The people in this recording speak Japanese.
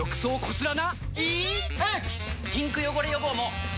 ピンク汚れ予防も！